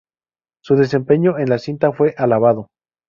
Su desempeño en la cinta fue alabado.